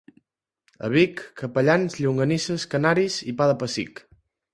A Vic: capellans, llonganisses, canaris i pa de pessic.